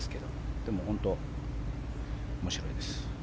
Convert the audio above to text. でも本当、面白いです。